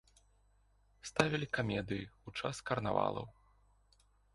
Ставілі камедыі ў час карнавалаў.